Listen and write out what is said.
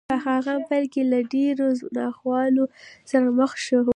په هماغه پيل کې له ډېرو ناخوالو سره مخ شو.